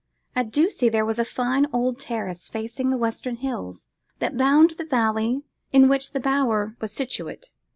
At Ducie there was a fine old terrace facing the western hills, that bound the valley in which the Bower was situate.